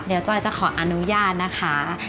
เดี๋ยวจอยจะขออนุญาตนะคะ